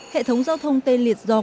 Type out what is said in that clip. hệ thống giao thông tên liệt do